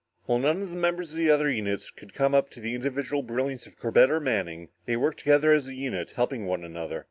While none of the members of the other units could come up to the individual brilliance of Corbett or Manning, they worked together as a unit, helping one another.